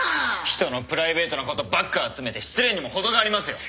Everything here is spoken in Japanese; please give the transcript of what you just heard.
人のプライベートなことばっか集めて失礼にも程がありますよ。